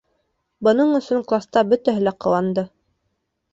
Бының өсөн класта бөтәһе лә ҡыуанды.